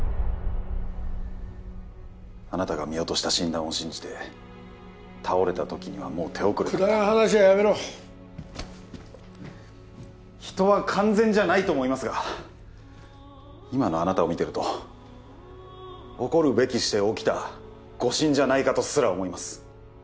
あなたが見落とした診断を信じて倒れた時にはもう手遅れだったくだらん話はやめろ人は完全じゃないと思いますが今のあなたを見てると起こるべきして起きた誤診じゃないかとすら思います